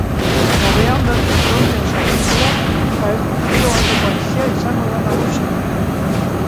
Gauean, berriz, frontea sartuko da eta hego-mendebaldeko haizea izango da nagusi.